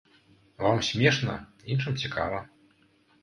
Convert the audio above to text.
Вам смешна, іншым цікава.